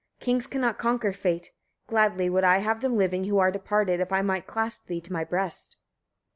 Kings cannot conquer fate: gladly would I have them living who are departed, if I might clasp thee to my breast.